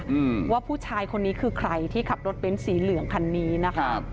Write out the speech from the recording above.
อืมว่าผู้ชายคนนี้คือใครที่ขับรถเบ้นสีเหลืองคันนี้นะครับ